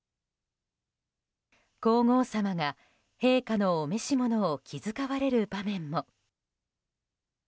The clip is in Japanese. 皇后さまが陛下のお召し物を気遣われる場面も。